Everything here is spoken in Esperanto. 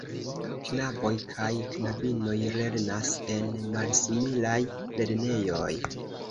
Knaboj kaj knabinoj lernas en malsimilaj lernejoj.